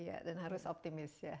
iya dan harus optimis ya